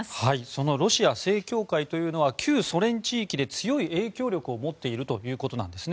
そのロシア正教会というのは旧ソ連地域で強い影響力を持っているということです。